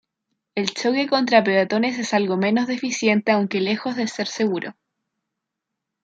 El choque contra peatones es algo menos deficiente aunque lejos de ser seguro.